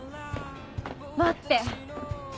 待って。